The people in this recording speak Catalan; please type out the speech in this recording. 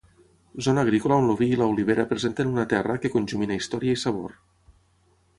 Zona agrícola on el vi i l'olivera presenten una terra que conjumina història i sabor.